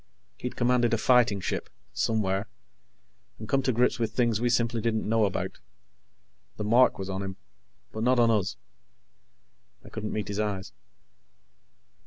He'd commanded a fighting ship, somewhere, and come to grips with things we simply didn't know about. The mark was on him, but not on us. I couldn't meet his eyes.